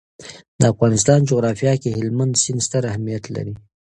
د افغانستان جغرافیه کې هلمند سیند ستر اهمیت لري.